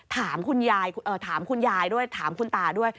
ถามคุณยายด้วยถามคุณตาด้วย